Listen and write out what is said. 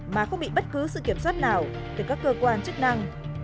mà không bị bất cứ sự kiểm soát nào từ các cơ quan chức năng